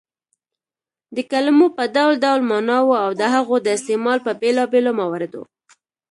د کلیمو په ډول ډول ماناوو او د هغو د استعمال په بېلابيلو مواردو